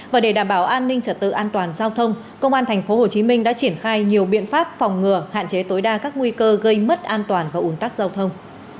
và để đảm bảo an ninh trật tự an toàn giao thông công an tp hcm đã triển khai nhiều biện pháp phòng ngừa hạn chế tối đa các nguy cơ gây mất an toàn và ủn tắc giao thông